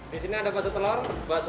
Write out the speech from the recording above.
di sini ada baso telur baso